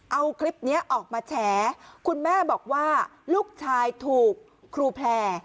เอาคลิปนี้ออกมาแฉคุณแม่บอกว่าลูกชายถูกครูแพลร์